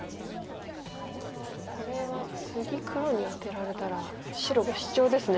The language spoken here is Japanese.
これは次黒にアテられたら白５子シチョウですね。